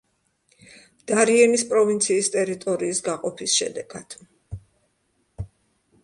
დარიენის პროვინციის ტერიტორიის გაყოფის შედეგად.